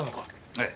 ええ。